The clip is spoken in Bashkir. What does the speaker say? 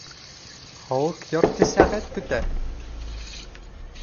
Халыҡ ярты сәғәт көтә!